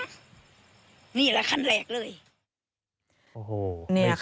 นี่แหละคันแรก